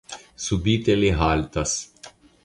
Subite li haltas.